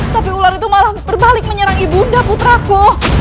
tapi ular itu malah berbalik menyerang ibu nda putraku